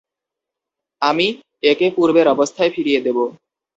আমি একে পূর্বের অবস্থায় ফিরিয়ে দেব।